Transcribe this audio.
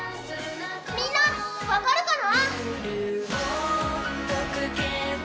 みんな分かるかな？